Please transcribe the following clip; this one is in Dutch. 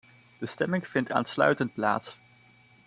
De stemming vindt aansluitend plaats.